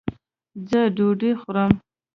ځه ډوډي خورم